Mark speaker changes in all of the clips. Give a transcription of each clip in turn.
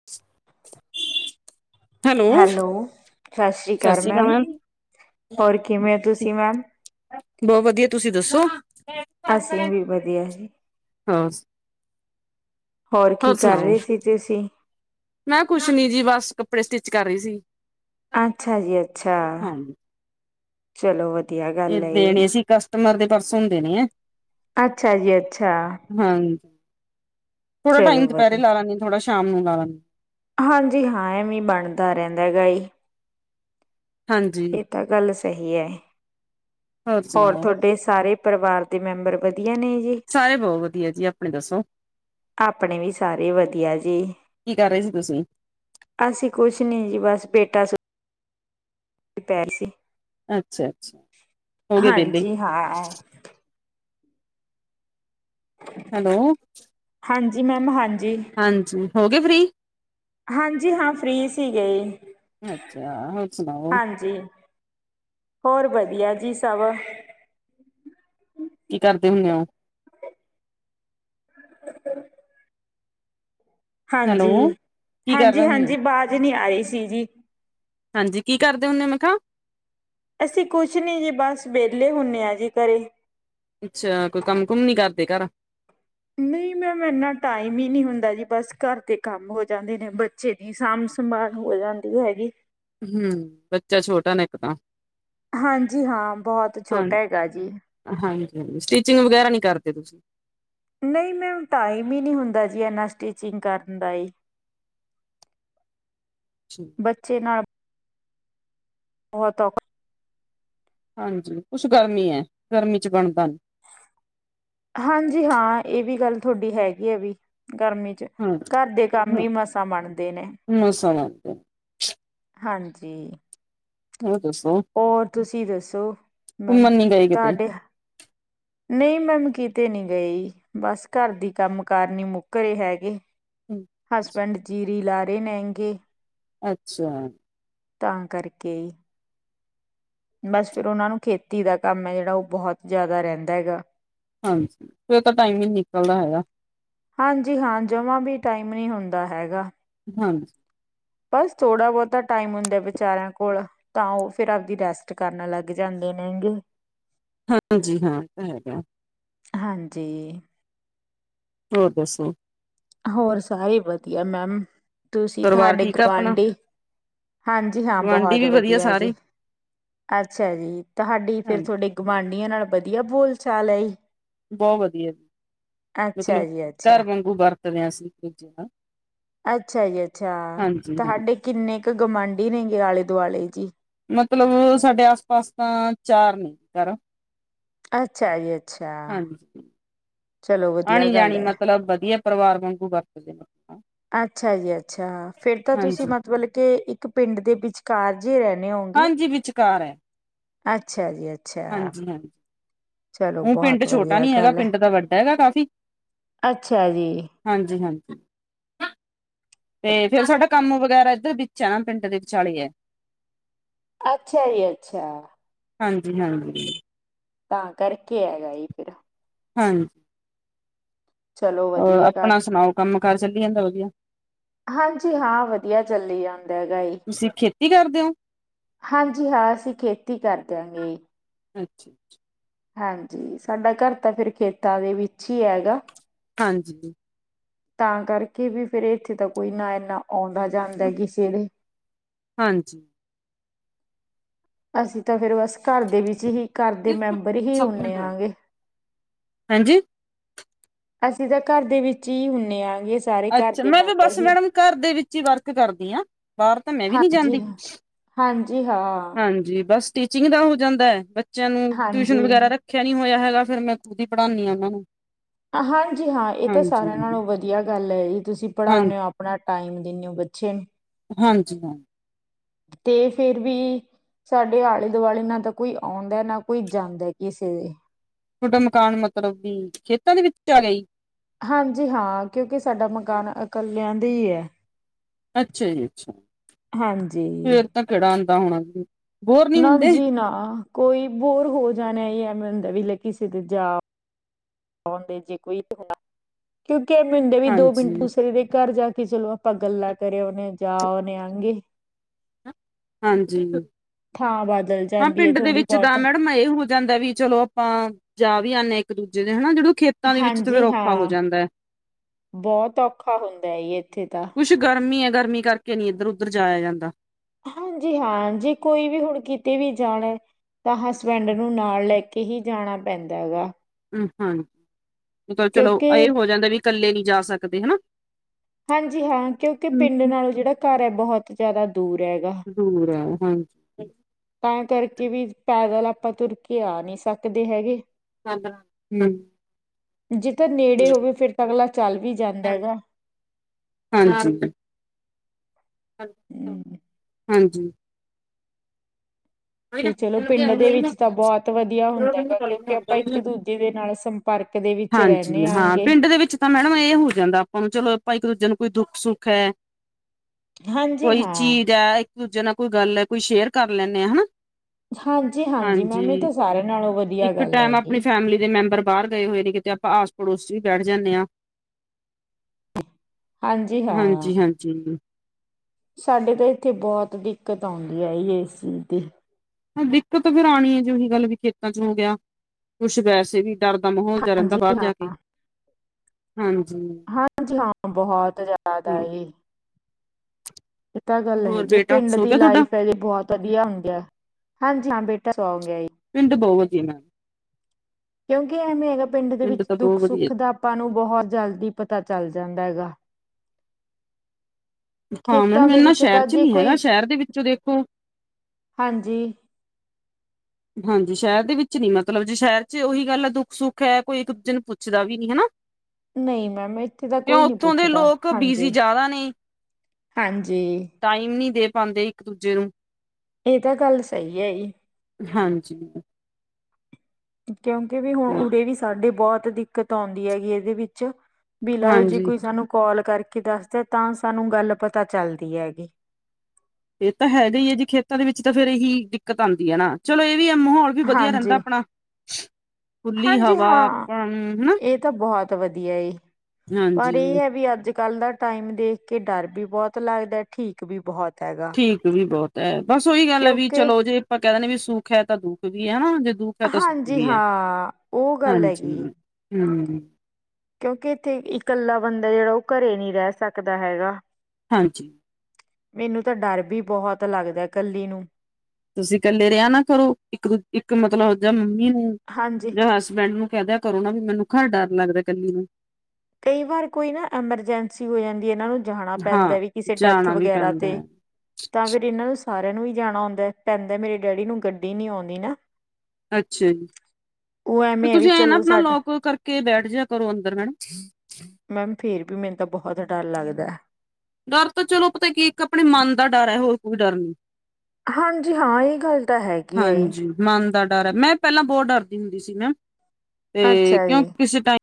Speaker 1: [inaudible]
Speaker 2: Hello, ਸਤਿ ਸ਼੍ਰੀ ਅਕਾਲ ਮੈਮ, ਹੋਰ ਕਿਵੇਂ ਹੋ ਤੁਸੀਂ ਮੈਮ?
Speaker 1: ਬੋਤ ਵਧੀਆ, ਤੁਸੀਂ ਦੱਸੋ।
Speaker 2: ਅਸੀਂ ਵੀ ਵਧੀਆ ਜੀ
Speaker 1: ਹਾਂ।
Speaker 2: ਹੋਰ ਕੀ ਕਰ ਰਹੇ ਸੀ? ਤੁਸੀ।
Speaker 1: ਮੈਂ ਕੁਛ ਨੀ ਜੀ, ਬਸ ਕੱਪੜੇ ਸਟਿੱਚ ਕਰ ਰਹੀ ਸੀ।
Speaker 2: ਅੱਛਾ ਜੀ ਅੱਛਾ, ਚਲੋ ਵਧੀਆ।
Speaker 1: ਏ
Speaker 2: ਗੱਲ ਹੈ ਜੀ
Speaker 1: ਦੇਣੇ ਸੀ, ਕਸਟਮਰ ਦੇ ਪਰਸੋਂ ਨੂੰ ਦੇਣੇ ਆ।
Speaker 2: ਅੱਛਾ ਜੀ ਅੱਛਾ।
Speaker 1: ਹਾਂਜੀ, ਥੋੜਾ ਟਾਈਮ
Speaker 2: ਚਲੋ
Speaker 1: ਦੁਪੈਹਰੇ
Speaker 2: ਵਧੀਆ
Speaker 1: ਲਾ ਲਾਂਗੀ, ਥੋੜਾ ਸ਼ਾਮ ਨੂੰ ਲਾ ਲਾਂਗੀ।
Speaker 2: ਹਾਂਜੀ ਹਾਂ, ਐਵੇਂ ਬਣਦਾ ਰੈਹਦਾ ਹੈਗਾ ਏ।
Speaker 1: ਹਾਂਜੀ।
Speaker 2: ਤਾਂ ਗੱਲ ਸਹੀ ਹੈ, ਹੋਰ ਥੋਡੇ ਸਾਰੇ ਪਰਿਵਾਰ। ਤੇ ਮੈਂਬਰ ਵਧੀਆ ਨੇ ਜੀ।
Speaker 1: ਸਾਰੇ ਬਹੁਤ ਵਧੀਆ ਜੀ। ਆਪਣੀ ਦੱਸੋ?
Speaker 2: ਆਪਣੇ ਵੀ ਸਾਰੇ ਵਧੀਆ ਜੀ।
Speaker 1: ਕੀ ਕਰ ਰਹੇ ਸੀ ਤੁਸੀਂ?
Speaker 2: ਅਸੀਂ ਕੁਛ ਨੀ ਜੀ ਬਸ ਬੇਟਾਂ ਸੁ ਪੈ ਰਹੀ ਸੀ।
Speaker 1: ਅੱਛਾ ਅੱਛਾ ਹੋ ਗਏ ਵਿਹਲੇ
Speaker 2: ਹਾਂਜੀ ਹਾਂ
Speaker 1: ਹੈਲੋ।
Speaker 2: ਹਾਂਜੀ ਮੈਮ ਹਾਂਜੀ।
Speaker 1: ਹਾਂਜੀ, ਹੋ ਗਏ ਫਰੀ।
Speaker 2: ਹਾਂਜੀ ਹਾਂ ਫਰੀ ਸੀਗੇ।
Speaker 1: ਅੱਛਾ ਹੋਰ ਸੁਣਾਓ।
Speaker 2: ਜੀ। ਹੋਰ ਵਧੀਆ ਜੀ ਸਭ।
Speaker 1: ਕੀ ਕਰਦੇ ਹੁੰਨੇ ੳ। ਹੈਲੋ
Speaker 2: ਹਾਂਜੀ-
Speaker 1: ਕੀ ਕਰ ਰਹੇ
Speaker 2: ਹਾਂਜੀ-
Speaker 1: ਹੁੰਦੇ ਹੋ
Speaker 2: ਹਾਂਜੀ, ਬਾਜ਼ ਨਹੀਂ ਆ ਰਹੀ ਸੀ ਜੀ।
Speaker 1: ਹਾਂਜੀ, ਕੀ ਕਰਦੇ ਹੁੰਨੇ ਮੈਂ ਕਿਹਾ।
Speaker 2: ਅਸੀਂ ਕੁਛ ਨਹੀਂ ਜੀ, ਬਸ ਵਿਹਲੇ ਹੁੰਨੇ ਆਂ ਜੀ ਘਰੇ।
Speaker 1: ਅੱਛਾ, ਕੋਈ ਕੰਮ ਕੁਮ ਨੀ ਕਰਦੇ ਘਰ।
Speaker 2: ਨਹੀਂ ਮੈਮ ਇੰਨਾ ਟਾਈਮ ਈ ਨੀ ਹੁੰਦਾ ਜੀ, ਬਸ ਘਾਰ ਦੇ ਕੰਮ ਹੋ ਜਾਂਦੇ ਨੇ ਬ ਬੱਚੇ ਦੀ ਸਾਂਭ ਸੰਭਾਲ ਹੋ ਜਾਂਦੀ ਹੈਗੀ।
Speaker 1: ਹੂੰ ਬੱਚਾ ਛੋਟਾ ਨਾ ਇੱਕ ਤਾਂ
Speaker 2: ਹਾਂਜੀ ਹਾਂ ਬਹੁਤ ਛੋਟਾ ਹੈਗਾ ਜੀ।
Speaker 1: ਹਾਂਜੀ ਹਾਂਜੀ ਸਟਿਚਿੰਗ ਵਗੈਰਾ ਨਹੀਂ ਕਰਦੇ ਤੁਸੀਂ।
Speaker 2: ਨਹੀਂ ਮੈਮ ਟਾਈਮ ਈ ਨੀ ਹੁੰਦਾ ਜੀ ਏਨਾ ਸਟਿਚਿੰਗ ਕਰਨ ਦਾਈ।
Speaker 1: ਠੀਕ
Speaker 2: ਬੱਚੇ ਨਾਲ ਬੋਤ ਔ
Speaker 1: ਹਾਂਜੀ ਕੁੱਛ ਗਰਮੀ ਏ, ਗਰਮੀ ਚ ਬਣਦਾ ਨੀ।
Speaker 2: ਹਾਂਜੀ ਹਾਂ ਏ ਵੀ ਗੱਲ ਤੁਹਾਡੀ ਹੈਗੀ ਏ ਵੀ ਗਰਮੀ ਚ
Speaker 1: ਹਾਂ
Speaker 2: ਘਰ ਦੇ ਕੰਮ ਹੀ ਮਸਾਂ ਮੰਨਦੇ ਨੇ।
Speaker 1: ਮ ਸਮਮਤ [unintelligible]
Speaker 2: ਹਾਂਜੀ।
Speaker 1: ਹੋਰ ਦੱਸੋ।
Speaker 2: ਹੋਰ ਤੁਸੀਂ ਦੱਸੋ ਮੈਮ
Speaker 1: ਘੁੰਮਣ ਨੀ ਗਏ ਕਿਤੇ
Speaker 2: ਤੁਹਾਡੇ ਨਹੀਂ ਮੈਮ ਕਿਤੇ ਨੀ ਗਈ, ਬਸ ਘਾਰ ਦੀ ਕੰਮ ਕਾਰ ਨੀ ਮੁੱਕ ਰਰੇ ਹੈਗੇ। ਹਸਬੈਂਡ ਜੀਰੀ ਲਾਰੇ ਨੇਗੇ।
Speaker 1: ਅੱਛਾ
Speaker 2: ਤਾਂ ਕਰਕੇ। ਬਸ ਫੇਰ ਉਹਨਾਂ ਨੂੰ ਖੇਤੀ ਦਾ ਕੰਮ ਏ ਜਿਹੜਾ, ੳ ਬਹੁਤ ਜ਼ਿਆਦਾ ਰਹਿੰਦਾ ਹੈਗਾ।
Speaker 1: ਹਾਂਜੀ ਫੇਰ ਤਾਂ ਟਾਈਮ ਈ ਨੀ ਨਿਕਲਦਾ ਹੈਗਾ।
Speaker 2: ਹਾਂਜੀ ਹਾਂ ਜਮਾਂ ਵੀ ਟਾਈਮ ਨੀ ਹੁੰਦਾ ਹੈਗਾ।
Speaker 1: ਹਾਂਜੀ।
Speaker 2: ਬਸ ਥੋੜਾ ਬਹੁਤਾ ਟਾਈਮ ਹੁੰਦਾ ਵਿਚਾਰਿਆਂ ਕੋਲ ਤਾਂ ੳ ਫੇਰ ਆਪਦੀ ਰੈਸਟ ਕਰਨ ਲੱਗ ਜਾਂਦੇ ਨੇਗੇੇ।
Speaker 1: ਹਾਂਜੀ ਹਾਂ ਐ ਤਾਂ ਹੈਗੈ।
Speaker 2: ਹਾਂਜੀ
Speaker 1: ਹੋਰ ਦੱਸੋ?
Speaker 2: ਹੋਰ, ਸਾਰੇ ਵਧੀਆ ਮੈਮ। ਤੁਸੀਂ
Speaker 1: ਪਰਿਵਾਰ
Speaker 2: ਤੁਹਾਡੇ
Speaker 1: ਠੀਕ ਆ ਆਪਣਾ
Speaker 2: ਗੁਵਾਢੀ, ਹਾਂਜੀ ਹਾਂ,
Speaker 1: ਗੁਆਂਢੀ
Speaker 2: ਬਹੁਤ
Speaker 1: ਵੀ
Speaker 2: ਵਧੀਆ ਜੀ।
Speaker 1: ਸਾਰੇ
Speaker 2: ਅੱਛਾ ਜੀ, ਤੁਹਾਡੀ ਫੇਰ
Speaker 1: ਹਾਂਜੀ
Speaker 2: ਤੁਹਾਡੇ ਗੁਆਂਢੀਆਂ ਨਾਲ ਵਧੀਆ ਬੋਲਚਾਲ ਹੈ ਜੀ?
Speaker 1: ਬੋ ਵਧੀਆ ਜੀ,
Speaker 2: ਅੱਛਾ
Speaker 1: ਮਤਲਬ
Speaker 2: ਜੀ
Speaker 1: ਘਰ
Speaker 2: ਅੱਛਾ,
Speaker 1: ਵਾਂਗੂ ਵਰਤਦੇ ਅਸੀ ਇੱਕ ਦੂਜੇ ਨਾ
Speaker 2: ਅੱਛਾ ਜੀ ਅੱਛਾ,
Speaker 1: ਹਾਂ
Speaker 2: ਤੁਹਾਡੇ ਕਿੰਨੇ ਕੁ ਗਵਾਂਢੀ ਨੇਗੇ, ਆਲੇ ਦੁਆਲੇ ਜੀ।
Speaker 1: ਮਤਲਬ, ਸਾਡੇ ਆਸ ਪਾਸ ਤਾਂ, ਚਾਰ ਨੇ ਘਰ।
Speaker 2: ਅੱਛਾ ਜੀ। ਅੱਛਾ,
Speaker 1: ਹਾਂਜੀ,
Speaker 2: ਚਲੋ ਵਧੀਆ ਗੱਲ
Speaker 1: ਆਣੀ-ਜਾਣੀ
Speaker 2: ਹੈ।
Speaker 1: ਮਤਲਬ ਵਧੀਆ। ਪਰਿਵਾਰ ਵਾਂਗੂ ਵਰਤਦੇ ਹਨ।
Speaker 2: ਅੱਛਾ ਜੀ ਅੱਛਾ, ਫੇਰ ਤਾਂ ਤੁਸੀਂ ਮਤਲਬ ਕੇ ਇੱਕ ਪਿੰਡ ਦੇ ਵਿਚਕਾਰ ਜੀ, ਰੈਹਣੇ ਹੋਗੇ,
Speaker 1: ਹਾਂਜੀ ਵਿਚਕਾਰ
Speaker 2: ਅੱਛਾ ਜੀ ਅੱਛਾ।
Speaker 1: ਹਾਂਜੀ-ਹਾਂਜੀ।
Speaker 2: ਚਲੋ
Speaker 1: ਓਹ ਪਿੰਡ
Speaker 2: ਬਹੁਤ
Speaker 1: ਛੋਟਾ
Speaker 2: ਵਧੀਆ
Speaker 1: ਨੀ ਹੈਗਾ,
Speaker 2: ਗੱਲ ਹੈ।
Speaker 1: ਪਿੰਡ ਤਾਂ ਵੱਡਾ ਹੈਗਾ ਕਾਫ਼ੀ।
Speaker 2: ਅੱਛਾ ਜੀ।
Speaker 1: ਹਾਂਜੀ ਹਾਂਜੀ। ਤੇ ਫੇਰ ਸਾਡਾ ਕੰਮ ਵਗੈਰਾ, ਏਧਰ ਵਿੱਚ ਹੈ ਨਾ ਪਿੰਡ ਦੇ ਵਿਚਾਲੇ ਈ ਐ।
Speaker 2: ਅੱਛਾ ਜੀ ਅੱਛਾ।
Speaker 1: ਹਾਂਜੀ-ਹਾਂਜੀ।
Speaker 2: ਤਾਂ ਕਰਕੇ ਹੈਗਾ ਏ, ਫੇਰ।
Speaker 1: ਹਾਂਜੀ।
Speaker 2: ਚਲੋ
Speaker 1: ਹੋਰ,
Speaker 2: ਵਧੀਆ ਗੱਲ
Speaker 1: ਆਪਣਾ ਸੁਣਾਓ? ਕੰਮ ਕਾਰ ਚੱਲੀ ਜਾਂਦਾ ਵਧੀਆ?
Speaker 2: ਹਾਂਜੀ ਹਾਂ, ਵਧੀਆ ਚੱਲੀ ਜਾਂਦਾ ਹੈਗਾ।
Speaker 1: ਤੁਸੀਂ ਖੇਤੀ ਕਰਦੇ ਓ?
Speaker 2: ਹਾਂਜੀ ਹਾਂ, ਅਸੀਂ ਖੇਤੀ ਕਰਦੇ ਆਗੇ।
Speaker 1: ਅੱਛਾ-ਅੱਛਾ।
Speaker 2: ਹਾਂਜੀ, ਸਾਡਾ ਘਰ ਤਾਂ ਫ਼ੇਰ ਖੇਤਾਂ ਦੇ ਵਿੱਚ ਈ ਹੈਗਾ।
Speaker 1: ਹਾਂਜੀ।
Speaker 2: ਤਾਂ ਕਰਕੇ ਵੀ ਫੇਰ, ਏਥੇ ਤਾਂ ਕੋਈ ਨਾਂ ਇੰਨਾ ਆਉਂਦਾ-ਜਾਂਦਾ ਕਿਸੇ ਦੇ
Speaker 1: ਹਾਂਜੀ।
Speaker 2: ਅਸੀਂ ਤਾਂ ਫੇਰ ਬਸ ਘਰ ਦੇ ਵਿੱਚ ਹੀ, ਘਰ ਦੇ ਮੈਂਬਰ ਹੀ
Speaker 1: ਸੱਤ
Speaker 2: ਹੁੰਨੇ
Speaker 1: ਮਿੰਟ ਰਹਿ ਗਏ।
Speaker 2: ਆਂਗੇ।
Speaker 1: ਹਾਂਜੀ
Speaker 2: ਅਸੀਂ ਤਾਂ ਘਰ ਦੇ ਵਿੱਚ ਈ ਹੁੰਨੇਂ ਆਂਗੇ, ਸਾਰੇ ਘਰ
Speaker 1: ਅੱਛਾ
Speaker 2: ਦੇ
Speaker 1: ਮੈਂ ਵੀ
Speaker 2: ਮੈਂਬਰ
Speaker 1: ਬਸ
Speaker 2: ਹੀ।
Speaker 1: ਮੈਡਮ ਘਰ ਦੇ ਵਿੱਚ ਈ ਵਰਕ ਕਰਦੀ ਆ। ਬਾਰ ਤਾਂ ਮੈਂ ਵੀ ਨੀਂ ਜਾਂਦੀ,
Speaker 2: ਹਾਂਜੀ ਹਾਂਜੀ ਹਾਂ
Speaker 1: ਹਾਂਜੀ ਬਸ ਟੀਚਿੰਗ ਦਾ ਹੋ ਜਾਂਦਾ ਐ, ਬੱਚੇਆਂ ਨੂੰ ਟਿਊਸ਼ਨ ਵਗੈਰਾ
Speaker 2: ਹਾਂਜੀ
Speaker 1: ਰੱਖ ਖਿਆ ਨੀ ਹੋਇਆ ਹੈਗਾ, ਫੇਰ ਮੈਂ, ਖੁਦ ਈ ਪੜ੍ਹਾਂਨੀ ਆਂ ਓਨਾਂ ਨੂੰ।
Speaker 2: ਹਾਂਜੀ ਹਾਂ, ਏ ਤਾਂ
Speaker 1: ਹਾਂਜੀ
Speaker 2: ਸਾਰੇਆਂ ਨਾਲੋਂ ਵਧੀਆ ਗੱਲ ਐ, ਜੀ ਤੁਸੀਂ
Speaker 1: ਹਾਂ
Speaker 2: ਪੜਾਉਨੇਂ ਓ ਆਪਣਾ ਟਾਈਮ ਦਿੰਨੇ ਓ, ਬੱਚੇ ਨੂੰ।
Speaker 1: ਹਾਂਜੀ ਹਾਂ।
Speaker 2: ਤੇ ਫੇਰ ਵੀ ਸਾਡੇ ਆਲ਼ੇ-ਦੁਆਲ਼ੇ ਨਾਂ ਤਾਂ ਕੋਈ ਆਉਂਦਾ, ਨਾਂ ਕੋਈ ਜਾਂਦਾ ਕਿਸੇ ਦੇ।
Speaker 1: ਥੋਡਾ ਮਕਾਨ ਮਤਲਬ, ਵੀ ਖੇਤਾਂ ਦੇ ਵਿੱਚ ਆ ਗਿਆ ਜੀ।
Speaker 2: ਹਾਂਜੀ ਹਾਂ, ਕਿਉਂਕਿ ਸਾਡਾ ਮਕਾਨ ਇਕੱਲਿਆਂ ਦੇ ਈ ਐ।
Speaker 1: ਅੱਛਾ ਜੀ ਅੱਛਾ,
Speaker 2: ਹਾਂਜੀ
Speaker 1: ਫੇਰ ਤਾਂ ਕੇੜਾ ਆਂਦਾ ਹੋਣਾ ਜੀ। ਬੋਰ ਨਹੀਂ ਹੁੰਦੇ
Speaker 2: ਨਾਂਜੀ ਨਾਂ, ਕੋਈ ਬੋਰ ਹੋ ਜਾਣੇ ਆਂ ਜੀ, ਐਵੇਂ ਹੁੰਦਾ ਵੀ ਲੈ ਕਿਸੇ ਤੇ ਜਾ ਆਂਦੇ ਜੇ ਕੋਈ, [unintelligible] ਕਿਉਂਕਿ ਬੰਦੇ ਵੀ ਦੋ ਮਿੰਟ
Speaker 1: ਹਾਂਜੀ
Speaker 2: ਦੂਸਰੇ ਦੇ ਘਰ ਜਾ ਕੇ ਚਲੋ ਆਪਾਂ ਗੱਲਾਂ ਕਰੇ ਆਉਨੇ ਆਂ ਜਾ ਆਉਨੇ ਆਂਗੇ।
Speaker 1: ਹਾਂਜੀ।
Speaker 2: ਥਾਂ ਬਾਦਲ
Speaker 1: ਹਾਂ ਪਿੰਡ ਦੇ ਵਿੱਚ ਦਾ ਮੈਡਮ ਇਹ ਹੋ ਜਾਂਦਾ ਵੀ ਚਲੋ ਆਪਾਂ, ਜਾ ਵੀ ਆਨੇ ਆਂ ਇੱਕ-ਦੂਜੇ ਦੇ ਹਨਾਂ ਜਦੋਂ ਖੇਤ ਖੇਤਾਂ ਦੇ ਵਿੱਚ ਤੇ ਫ਼ੇਰ ਔਖਾ ਹੋ ਜਾਂਦੈ।
Speaker 2: ਬੋਤ ਔਖਾ ਹੁੰਦਾ ਜੀ ਏਥੇ ਤਾਂ।
Speaker 1: ਕੁਛ ਗਰਮੀ ਐ ਗਰਮੀ ਕਰ ਕੇ ਨੀਂ ਇੱਧਰ-ਉੱਧਰ ਜਾਇਆ ਜਾਂਦਾ।
Speaker 2: ਹਾਂਜੀ ਹਾਂ ਜੇ ਕੋਈ ਵੀ ਹੁਣ ਕਿਤੇ ਵੀ ਜਾਣਾ, ਤਾਂ ਹਸਬੈਂਡ ਨੂੰ ਨਾਲ ਲੈ ਕੇ ਹੀ ਜਾਣਾ ਪੈਂਦਾ ਗਾ।
Speaker 1: ਮ, ਹਾਂ, ਚਲੋ
Speaker 2: ਕਿਉਂਕਿ
Speaker 1: ਇਹ ਹੋ ਜਾਂਦਾ ਵੀ ਕੱਲੇ ਨਹੀਂ ਜਾ ਸਕਦੇ ਹਨਾਂ।
Speaker 2: ਹਾਂਜੀ ਹਾਂ ਕਿਉਂਕਿ ਪਿੰਡ
Speaker 1: ਹੂੰ
Speaker 2: ਨਾਲੋਂ ਜਿਹੜਾ ਘਰ ਐ, ਬਹੁਤ ਜ਼ਿਆਦਾ ਦੂਰ ਹੈਗਾ।
Speaker 1: ਦੂਰ ਆ ਹਾਂਜੀ।
Speaker 2: ਤਾਂ ਕਰਕੇ ਵੀ ਪੈਦਲ, ਆਪਾਂ ਤੁਰ ਕੇ ਆ ਨੀਂ ਸਕਦੇ ਹੈਗੇ।
Speaker 1: [unintelligible]
Speaker 2: ਜੇ ਤਾਂ ਨੇੜੇ ਹੋਵੇ ਫੇਰ ਤਾਂ ਅਗਲਾ ਚੱਲ ਵੀ ਜਾਂਦਾ ਹੈਗਾ।
Speaker 1: ਹਾਂਜੀ।
Speaker 2: ਹਮ
Speaker 1: ਹਾਂਜੀ।
Speaker 2: ਤੇ ਚਲੋ ਪਿੰਡ ਦੇ ਵਿੱਚ ਤਾਂ ਬਹੁਤ ਵਧੀਆ ਹੁੰਦਾ ਹੈਗਾ ਕਿਉਂਕਿ ਆਪਾਂ ਇੱਕ-ਦੂਜੇ ਦੇ ਨਾਲ ਸੰਪ ਪਰਕ ਦੇ ਵਿੱਚ ਰਹਿੰਨੇ
Speaker 1: ਹਾਂ
Speaker 2: ਆਂਗੇ।
Speaker 1: ਪਿੰਡ ਦੇ ਵਿੱਚ ਤਾਂ ਮੈਡਮ ਇਹ ਹੋ ਜਾਂਦਾ ਆਪਾਂ ਨੂੰ, ਚਲੋ ਆਪਾਂ ਇੱਕ-ਦੂਜੇ ਨੂੰ ਕੋਈ ਦੁੱਖ-ਸੁੱਖ ਐ।
Speaker 2: ਹਾਂਜੀ
Speaker 1: ਕੋਈ
Speaker 2: ਹਾਂ
Speaker 1: ਚੀਜ਼ ਐ, ਇੱਕ-ਦੂਜੇ ਨਾਲ ਕੋਈ ਗੱਲ ਐ, ਕੋਈ ਸ਼ੇਅਰ ਕਰ ਲੈਂਨੇ ਆਂ ਹਨਾਂ।
Speaker 2: ਹਾਂਜੀ-ਹਾਂਜੀ ਮੈਮ ਇਹ ਤਾਂ ਸਾਰਿਆਂ ਨਾਲੋਂ ਵਧੀਆ ਗੱਲ ਹੈਗੀ।
Speaker 1: ਫੈਮਲੀ ਦੇ ਮੈਂਬਰ ਬਾਹਰ ਗਏ ਹੋਏ ਨੇ ਕਿਤੇ, ਆਪਾਂ ਆਸ-ਪੜੋਸ ਚ' ਵੀ ਬੈਠ ਜਾਂਨੇ ਆਂ।
Speaker 2: ਹਾਂਜੀ ਹਾਂ
Speaker 1: ਹਾਂਜੀ- ਹਾਂਜੀ-
Speaker 2: ਸਾਡੇ ਤਾਂ ਇਥੇ ਬਹੁਤ ਦਿਕਤ ਆਉਦੀ ਹੈ। ਇਸ ਚੀਜ ਦੀ-
Speaker 1: ਹ ਦਿਕਤ ਫਿਰ ਆਉਣੀ ਹੈ। ਜੇ ਉਹੀ ਗੱਲ ਵੀ ਖੇਤਾ 'ਚ ਹੋ ਗਿਆ ਕੁਛ ਵੈਸੇ ਵੀ- ਡਰ ਦਾ ਮਾਹੌਲ ਜਾ ਰਹਿਦਾ
Speaker 2: ਹਾਂਜੀ
Speaker 1: ਬਾਹਰ ਜਾ ਕੇ
Speaker 2: ਹਾਂ,
Speaker 1: ਹਾਂਜੀ
Speaker 2: ਹਾਂਜੀ ਹਾਂ ਬਹੁਤ ਜ਼ਿਆਦਾ
Speaker 1: ਹਾਂ
Speaker 2: ਗਾਈ ਇਹ ਤਾਂ ਗੱਲ
Speaker 1: ਹੋਰ
Speaker 2: ਹੈਗੀ ਹੈ।
Speaker 1: ਬੇਟਾ
Speaker 2: ਪਿੰਡ
Speaker 1: ਸੋ
Speaker 2: ਦੀ
Speaker 1: ਗਿਆ ਤੁਹਾਡਾ
Speaker 2: ਲਾਈਫ ਹੈ ਜੀ ਬਹੁਤ- ਵਧੀਆ ਹੁੰਦੀ ਹੈ ਹਾਂਜੀ ਹਾਂ ਬੇਟਾ ਸੋ ਗਿਆ ਜੀ
Speaker 1: ਪਿੰਡ ਬਹੁਤ ਵਧੀਆ ਮੈਮ
Speaker 2: ਕਿਉਕਿ ਐਵੇ ਹੈਗਾ ਪਿੰਡ ਦੇ ਵਿਚ
Speaker 1: ਤਾਂ
Speaker 2: ਦੁਖ
Speaker 1: ਬਹੁਤ ਵਧੀਆ
Speaker 2: ਸੁਖ ਦਾ- ਆਪਾ ਨੂੰ ਬਹੁਤ ਜਲਦੀ ਪਤਾ ਚਲ ਜਾਦਾ ਹੈਗਾ।
Speaker 1: ਹਾਂ
Speaker 2: ਖੇਤਾਂ
Speaker 1: ਮੈਡਮ
Speaker 2: ਦੇ
Speaker 1: ਇਨਾ
Speaker 2: ਵਿੱਚ
Speaker 1: ਸ਼ਹਿਰ
Speaker 2: ਤਾਂ
Speaker 1: 'ਚ
Speaker 2: ਜੇ
Speaker 1: ਨੀ ਹੈਗਾ
Speaker 2: ਕੋਈ
Speaker 1: ਸ਼ਹਿਰ ਦੇ ਵਿਚੋ ਦੇਖੋ-
Speaker 2: ਹਾਂਜੀ-
Speaker 1: ਹਾਂਜੀ ਸ਼ਹਿਰ ਦੇ ਵਿਚ ਨੀ ਮਤਲਬ ਜੇ ਸ਼ਹਿਰ 'ਚ ਉਹੀ ਗੱਲ ਹੈ। ਦੁਖ ਸੁਖ ਹੈ। ਕੋਈ ਇਕ ਦੂਜੇ ਨੂੰ ਪੁੱਛਦਾ ਵੀ ਨੀ ਹਨਾ-
Speaker 2: ਨਹੀਂ ਮੈਮ ਇਥੇ ਤਾਂ
Speaker 1: ਕਿਉਂ
Speaker 2: ਕੋਈ ਨੀ
Speaker 1: ਉੱਥੋਂ ਦੇ
Speaker 2: ਪੁੱਛਦਾ
Speaker 1: ਲੋਕ ਬਿਜ਼ੀ
Speaker 2: ਹਾਂਜੀ-
Speaker 1: ਜ਼ਿਆਦਾ ਨੇ
Speaker 2: ਹਾਂਜੀ-
Speaker 1: ਟਾਈਮ ਨੀ ਦੇ ਪਾਦੇ ਇਕ ਦੂਜੇ ਨੂੰ-
Speaker 2: ਇਹ ਤਾਂ ਗੱਲ ਸਹੀ ਹੈ ਜੀ
Speaker 1: ਹਾਂਜੀ-
Speaker 2: ਕਿਉਕਿ ਵੀ ਹੁਣ
Speaker 1: ਹਾਂ,
Speaker 2: ਉਰੇ ਵੀ ਸਾਡੇ ਬਹੁਤ ਦਿਕਤ ਆਉਦੀ ਹੈਗੀ ਇਹਦੇ ਵਿਚ- ਵੀ ਲਓ ਜੀ
Speaker 1: ਹਾਂਜੀ
Speaker 2: ਕੋਈ ਸਾਨੂੰ ਕਾਲ ਕਰਕੇ ਦਸਦਾ ਤਾਂ ਸਾਨੂੰ ਗੱਲ ਪਤਾ ਚਲਦੀ ਹੈਗੀ।
Speaker 1: ਇਹ ਤਾਂ ਹੈਗਾ ਹੀ ਹੈ ਜੀ ਖੇਤਾ ਦੇ ਵਿਚ ਤਾਂ ਫੇਰ ਇਹੀ ਦਿਕਤ ਆਉਦੀ ਹੈ ਨਾ ਚਲੋ ਇਹ ਵੀ ਆ ਮਾਹੌਲ- ਵੀ ਵਧੀਆ ਰਹਿਦਾ
Speaker 2: ਹਾਂਜੀ,
Speaker 1: ਆਪਣਾ ਖੁਲੀ
Speaker 2: ਹਾਂਜੀ
Speaker 1: ਹਵਾ
Speaker 2: ਹਾਂ
Speaker 1: ਆਪਾਂ ਨੂੰ ਹਨਾ।
Speaker 2: ਇਹ ਤਾਂ ਬਹੁਤ ਵਧੀਆ ਜੀ ਪਰ ਇਹ
Speaker 1: ਹਾਂਜੀ
Speaker 2: ਹੈ ਵੀ ਅਜ- ਕਲ ਦਾ- ਟਾਈਮ ਦੇਖ ਕੇ ਡਰ ਵੀ ਬਹੁਤ ਲਗਦਾ ਠੀਕ ਵੀ ਬਹੁਤ- ਹੈਗਾ
Speaker 1: ਠੀਕ ਵੀ ਬਹੁਤ ਹੈ। ਬਸ ਉਹੀ ਗੱਲ ਹੈ। ਵੀ
Speaker 2: ਕਿਉਂਕਿ
Speaker 1: ਚਲੋ ਜੇ ਆਪਾ ਕਹਿ ਦਿੰਨੇ ਵੀ ਸੁਖ ਹੈ। ਤਾਂ ਦੁਖ ਵੀ ਹੈ। ਹਨਾ ਜੇ ਦੁਖ- ਤਾਂ ਸੁਖ
Speaker 2: ਹਾਂਜੀ
Speaker 1: ਵੀ ਹੈ।
Speaker 2: ਹਾਂ ਉਹ ਗੱਲ
Speaker 1: ਹਾਂਜੀ! ਹੂੰ -
Speaker 2: ਕਿਉਕਿ ਇਥੇ ਇਕਲਾ ਬੰਦਾ ਜਿਹੜਾ ਉਹ ਘਰੇ ਨਹੀ ਰਹਿ ਸਕਦਾ ਹੈਗਾ।
Speaker 1: ਹਾਂਜੀ-
Speaker 2: ਮੈਨੂੰ ਤਾਂ ਡਰ ਵੀ ਬਹੁਤ ਲਗਦਾ ਕਲੀ ਨੂੰ-
Speaker 1: ਤੁਸੀ ਇਕਲੇ ਰਿਹਾ ਨਾ ਕਰੋ ਇਕ ਦੂ ਇਕ ਮਤਲਬ ਜਾਂ ਮੰਮੀ ਨੂੰ
Speaker 2: ਹਾਂਜੀ
Speaker 1: ਜਾਂ ਹਸਬੈਡ ਨੂੰ ਕਹਿ ਕਰੋ ਨਾ ਵੀ ਮੈਨੂੰ ਘਰ ਡਰ ਲਗਦਾ ਇਕਲੀ ਨੂੰ।
Speaker 2: ਕਈ ਵਾਰ ਕੋਈ ਨਾ ਐਮਰਜੈਂਸੀ ਹੋ ਜਾਦੀ ਇਹਨਾ ਨੂੰ ਜਾਣਾ
Speaker 1: ਹਾਂ
Speaker 2: ਪੈਦਾ ਵੀ ਕਿਸੇ ਡੈਥ
Speaker 1: ਜਾਣਾ ਵੀ
Speaker 2: ਵਗੈਰਾ
Speaker 1: ਪੈਂਦਾ
Speaker 2: ਤੇ-
Speaker 1: ਹੈ
Speaker 2: ਤਾਂ ਫੇਰ ਇਹਨਾਂ ਨੂੰ ਸਾਰਿਆਂ ਨੂੰ ਹੀ ਜਾਣਾ ਆਉਂਦਾ ਪੈਂਦਾ ਮੇਰੇ ਡੈਡੀ ਨੂੰ ਗੱਡੀ ਨੀ ਆਉਦੀ ਨਾ
Speaker 1: ਅਛਾ ਜੀ
Speaker 2: ਉਹ
Speaker 1: ਤੇ
Speaker 2: ਐਵੇਂ ਵੀ
Speaker 1: ਤੁਸੀ ਐ ਨਾ
Speaker 2: ਚਲੋ
Speaker 1: ਆਪਣਾ
Speaker 2: ਸਾਡਾ
Speaker 1: ਲੋਕ ਕਰਕੇ ਬੈਠ ਜਾ ਕਰੋ ਅੰਦਰ ਮੈਡਮ-
Speaker 2: ਮੈਮ ਫੇਰ ਵੀ ਮੈਨੂੰ ਤਾਂ ਬਹੁਤ ਡਰ ਲਗਦਾ-
Speaker 1: ਡਰ ਤਾਂ ਚਲੋ ਪਤਾ ਕੀ ਹੈ ਇਕ ਆਪਣੇ ਮਨ ਦਾ ਡਰ ਹੈ। ਹੋਰ ਕੋਈ ਡਰ ਨਹੀ-
Speaker 2: ਹਾਂਜੀ! ਹਾਂ! ਇਹ ਗੱਲ ਤਾਂ ਹੈਗੀ ਹੈ ਜੀ।
Speaker 1: ਹਾਂਜੀ ਮਨ ਦਾ ਡਰ ਹੈ। ਮੈ ਪਹਿਲਾ ਬਹੁਤ ਡਰਦੀ ਹੁੰਦੀ ਸੀ ਮੈਮ ਤੇ
Speaker 2: ਅੱਛਾ
Speaker 1: ਕਿਉਂ
Speaker 2: ਜੀ
Speaker 1: ਕਿਸੇ ਟਾਈਮ-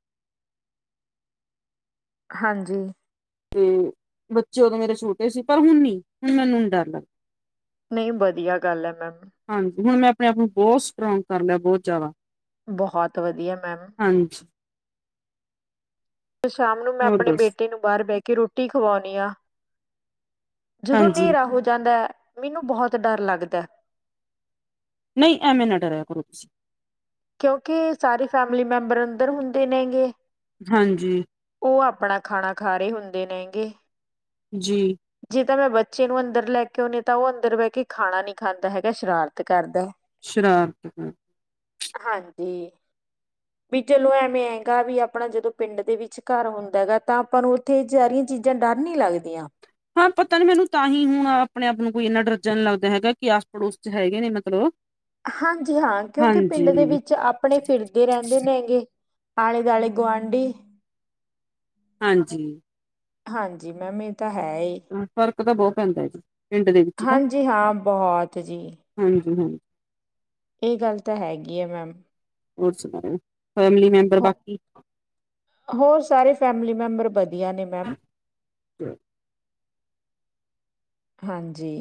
Speaker 2: ਹਾਂਜੀ-
Speaker 1: ਤੇ ਬੱਚੇ ਉਦੋ ਮੇਰੇ ਛੋਟੇ ਸੀ ਪਰ ਹੁਣ ਨੀ ਹੁਣ ਮੈਨੂੰ ਨੀ ਡਰ ਲਗਦਾ-
Speaker 2: ਨਹੀ ਵਧੀਆ ਗੱਲ ਹੈ। ਮੈਮ-
Speaker 1: ਹਾਂਜੀ! ਹੁਣ ਮੈ ਆਪਣੇ ਆਪ ਨੂੰ ਬਹੁਤ ਸਟਰੋਗ ਕਰ ਲਿਆ ਬਹੁਤ ਜਿਆਦਾ-
Speaker 2: ਬਹੁਤ ਵਧੀਆ ਮੈਮ-
Speaker 1: ਹਾਂਜੀ-
Speaker 2: ਫੇਰ ਸ਼ਾਮ ਨੂੰ ਮੈ
Speaker 1: ਹੋਰ
Speaker 2: ਆਪਣੇ
Speaker 1: ਦੱਸ
Speaker 2: ਬੇਟੇ ਨੂੰ ਬਾਹਰ ਬਹਿ ਕੇ ਰੋਟੀ ਖਵਾਉਣੀ ਹਾਂ। ਜਦੋ
Speaker 1: ਹਾਂਜੀ
Speaker 2: ਹਨੇਰਾ ਹੋ ਜਾਦਾ ਹੈ। ਮੈਨੂੰ ਬਹੁਤ ਡਰ ਲਗਦਾ ਹੈ।
Speaker 1: ਨਹੀ ਐਵੇ ਨਾ ਡਰਿਆ ਕਰੋ ਤੁਸੀ-
Speaker 2: ਕਿਉਕਿ ਸਾਰੇ ਫੈਮਿਲੀ ਮੈਬਰ ਅੰਦਰ ਹੁੰਦੇ ਨੇਗੇ-
Speaker 1: ਹਾਂਜੀ-
Speaker 2: ਉਹ ਆਪਣਾ ਖਾਣਾ ਖਾ ਰਹੇ ਹੁੰਦੇ ਨੇ ਗੇ।
Speaker 1: ਜੀ।
Speaker 2: ਜੇ ਤਾਂ ਮੈਂ ਬੱਚੇ ਨੂੰ ਅੰਦਰ ਲੈ ਕੇ ਆਉਂਦੀ ਤਾਂ ਉਹ ਅੰਦਰ ਬਹਿ ਕੇ ਖਾਣਾ ਨਹੀ ਖਾਂਦਾ ਹੈਗਾ ਸ਼ਰਾਰਤ ਕਰਦਾ।
Speaker 1: ਸ਼ਰਾਰਤ ਕਰਦਾ
Speaker 2: ਹਾਂਜੀ!
Speaker 1: [inaudible]
Speaker 2: ਵੀ ਚਲੋ ਐਵੇਂ ਹੈਗਾ ਵੀ ਆਪਣਾ ਜਦੋਂ ਪਿੰਡ ਦੇ ਵਿੱਚ ਘਰ ਹੁੰਦਾ ਹੈਗਾ ਤਾਂ ਆਪਾਂ ਨੂੰ ਉੱਥੇ ਜੇਰੀ ਚੀਜ਼ਾਂ ਡਰ ਨੀ ਲੱਗਦੀਆਂ।
Speaker 1: ਹਾਂ! ਪਤਾ ਨੀ ਮੈਨੂੰ ਤਾਂ ਹੀ ਹੁਣ ਆਪਣੇ ਆਪ ਨੂੰ ਕੋਈ ਇੰਨਾ ਡਰ ਜਾ ਨਹੀਂ ਲੱਗਦਾ ਹੈਗਾ ਕਿ ਆਸ ਪੜੋਸ 'ਚ ਹੈਗੇ ਨੇ ਮਤਲਬ
Speaker 2: ਹਾਂਜੀ! ਹਾਂ! ਕਿਉਂਕਿ
Speaker 1: ਹਾਂਜੀ
Speaker 2: ਪਿੰਡ ਦੇ ਵਿੱਚ ਆਪਣੇ ਫਿਰਦੇ ਰਹਿੰਦੇ ਨੇ ਗੇ ਆਲੇੇ ਦੁਆਲੇੇ ਗੁਆਂਢੀ
Speaker 1: ਹਾਂਜੀ।
Speaker 2: ਹਾਂਜੀ ਮੈਮ ਇਹ ਤਾਂ ਹੈ ਜੀ।
Speaker 1: ਹਾਂ! ਫਰਕ ਤਾਂ ਬਹੁਤ ਪੈਂਦਾ ਹੈ ਜੀ। ਪਿੰਡ ਦੇ
Speaker 2: ਹਾਂਜੀ! ਹਾਂ! ਬਹੁਤ ਜੀ।
Speaker 1: ਹਾਂਜੀ-ਹਾਂਜੀ।
Speaker 2: ਇਹ ਗੱਲ ਤਾਂ ਹੈਗੀ ਐ ਮੈਮ
Speaker 1: ਹੋਰ ਸੁਣਾਓ? ਫੈਮਲੀ ਮੈਂਬਰ
Speaker 2: ਹੋ
Speaker 1: ਬਾਕੀ
Speaker 2: ਹੋਰ ਸਾਰੇ ਫੈਮਿਲੀ ਮੈਂਬਰ ਵਧੀਆ ਨੇ ਮੈਮ
Speaker 1: [inaudible]
Speaker 2: ਹਾਂਜੀ,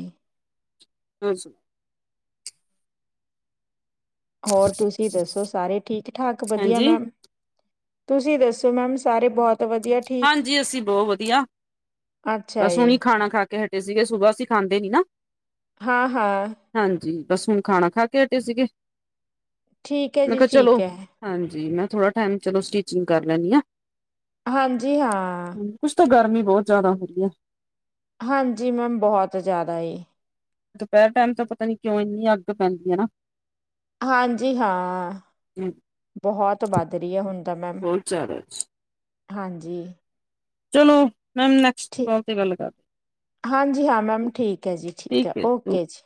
Speaker 1: ਹਾਂਜੀ,
Speaker 2: ਹੋਰ ਤੁਸੀਂ ਦੱਸੋ ਸਾਰੇ ਠੀਕ ਠਾਕ ਵਧੀਆ
Speaker 1: ਹਾਂਜੀ
Speaker 2: ਮੈਮ? ਤੁਸੀਂ ਦੱਸੋ ਮੈਮ ਸਾਰੇ ਬਹੁਤ ਵਧੀਆ ਠੀਕ
Speaker 1: ਹਾਂਜੀ ਅਸੀਂ ਬਹੁਤ ਵਧੀਆ,
Speaker 2: ਅੱਛਾ
Speaker 1: ਬਸ
Speaker 2: ਜੀ
Speaker 1: ਹੁਣੀ ਖਾਣਾ ਖਾ ਕੇ ਹਟੇ ਸੀਗੇ ਸੁਬਹ ਅਸੀਂ ਖਾਂਦੇ ਨੀ ਨਾ।
Speaker 2: ਹਾਂ-ਹਾਂ,
Speaker 1: ਹਾਂਜੀ ਬਸ ਹੁਣ ਖਾਣਾ ਖਾ ਕੇ ਹਟੇ ਸੀਗੇ,
Speaker 2: ਠੀਕ ਹੈ
Speaker 1: ਮੈਂ
Speaker 2: ਜੀ
Speaker 1: ਕਿਹਾ ਚਲੋ
Speaker 2: ਠੀਕ ਹੈ
Speaker 1: ਹਾਂਜੀ ਮੈਂ ਥੋੜ੍ਹਾ ਟਾਈਮ ਚਲੋ ਸਟੀਚਿੰਗ ਕਰ ਲੈਂਨੀ ਆਂ।
Speaker 2: ਹਾਂਜੀ ਹਾਂ।
Speaker 1: ਕੁੱਛ ਤਾਂ ਗਰਮੀ ਬਹੁਤ ਜਿਆਦਾ ਹੁੰਦੀ ਐ।
Speaker 2: ਹਾਂਜੀ ਮੈਮ ਬਹੁਤ ਜ਼ਿਆਦਾ ਏ।
Speaker 1: ਦੁਪਹਿਰ ਟਾਈਮ ਤਾਂ ਪਤਾ ਨੀ ਕਿਉਂ ਇੰਨੀ ਅੱਗ ਪੈਂਦੀ ਐ ਨਾ।
Speaker 2: ਹਾਂਜੀ ਹਾਂ, ਬਹੁਤ। ਤੋਂ ਵੱਧ ਰੀ ਐ ਹੁਣ ਤਾਂ ਮੈਮ
Speaker 1: ਬਹੁਤ ਜ਼ਿਆਦਾ
Speaker 2: ਹਾਂਜੀ।
Speaker 1: ਚਲੋ, ਮੈਮ ਨੈਕਸਟ
Speaker 2: ਠੀ,
Speaker 1: ਕਾਲ ਤੇ ਗੱਲ ਕਰਦੇ
Speaker 2: ਹਾਂਜੀ ਹਾਂ ਮੈਮ ਠੀਕ ਐ ਜੀ ਠੀਕ ਐ ਓਕੇ ਜੀ।